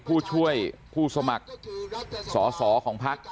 ผู้ช่วยผู้สมัครสอสอของพัก